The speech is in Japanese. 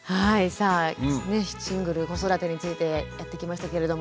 さあ「シングルの子育て」についてやってきましたけれども。